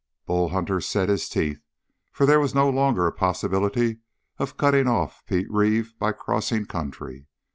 Bull Hunter set his teeth, for there was no longer a possibility of cutting off Pete Reeve by crossing country.